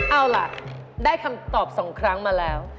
เอาล่ะได้คำตอบ๒ครั้งมาแล้ว